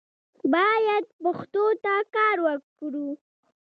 باید پښتو ته کار وکړو